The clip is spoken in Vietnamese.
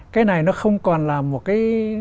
cái này nó không còn là một cái